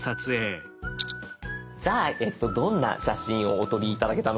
じゃあえっとどんな写真をお撮り頂けたのか。